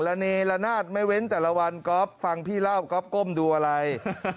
ระเนละนาดไม่เว้นแต่ละวันก๊อฟฟังพี่เล่าก๊อฟก้มดูอะไร